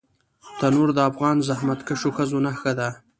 تنور د افغان زحمتکښ ښځو نښه ده